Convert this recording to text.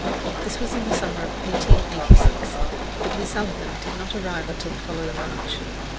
This was in the summer of 1886. But Miss Sullivan did not arrive until the following March.